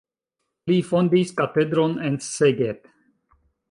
Li fondis katedron en Szeged.